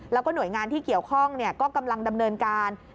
แล้วก็หน่วยงานที่เกี่ยวข้องก็กำลังดำเนินการ